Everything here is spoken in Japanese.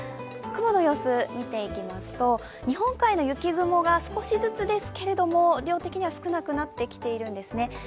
雲の様子を見ていきますと日本海側の雪雲が少しずつですけれども量的には少なくなってきているんですね。